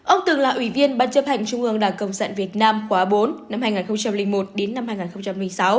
ông từng là ủy viên ban chấp hành trung ương đảng cộng sản việt nam khóa bốn năm hai nghìn một đến năm hai nghìn sáu